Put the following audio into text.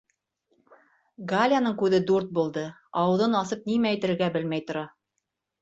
Галяның күҙе дүрт булды, ауыҙын асып нимә әйтергә белмәй тора.